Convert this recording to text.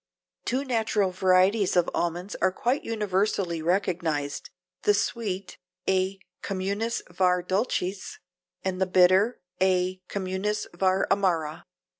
Two natural varieties of almonds are quite universally recognized, the sweet (A. communis var dulcis) and the bitter (A. communis var amara).